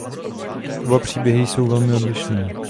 Oba příběhy jsou velmi odlišné.